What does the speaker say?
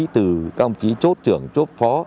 từ các đồng chí chốt trưởng chốt phó